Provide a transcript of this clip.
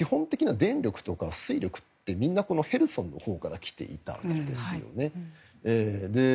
基本的には電力とか水力ってみんなヘルソンのほうから来ていたんですね。